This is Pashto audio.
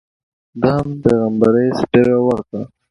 ده هم پیغمبري څپېړه ورکړه.